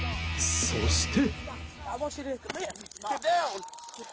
そして。